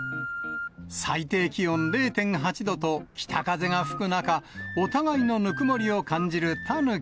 最低気温０．８度と北風が吹く中、お互いのぬくもりを感じるタヌキ。